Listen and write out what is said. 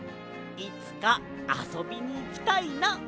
いつかあそびにいきたいな！」